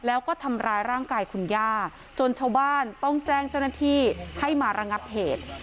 แล้วก็ทำร้ายร่างกายคุณย่าจนชาวบ้านต้องแจ้งเจ้าหน้าที่ให้มาระงับเหตุ